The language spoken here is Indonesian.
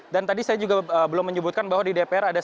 dan tadi saya juga belum menyebutkan bahwa di dpr